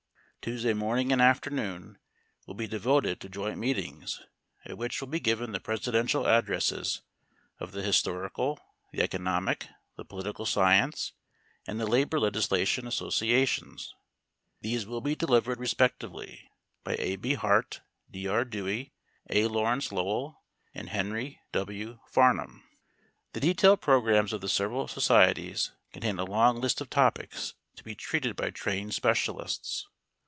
Tuesday morning and afternoon will be devoted to joint meetings at which will be given the presidential addresses of the Historical, the Economic, the Political Science, and the Labor Legislation Associations; these will be delivered respectively by A. B. Hart, D. R. Dewey, A. Lawrence Lowell and Henry W. Farnam. The detailed programs of the several societies contain a long list of topics to be treated by trained specialists.